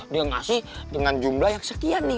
dia ngasih dengan jumlah yang sekian nih